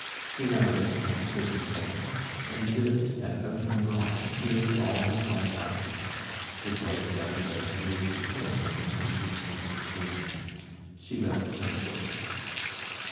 He married at thirty seven, and lived at Outton Broad nearly all his life after. His wife died a dozen years before him, in 1869. She left no children.